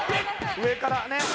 「上からね」